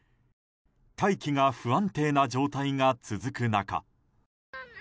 大気が不安定な状態が続く中。